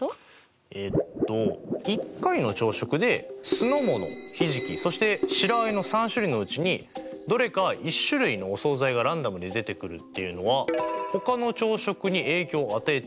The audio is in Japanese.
えっと１回の朝食で酢の物ひじきそして白あえの３種類のうちにどれか１種類のお総菜がランダムで出てくるっていうのはほかの朝食に影響を与えていない。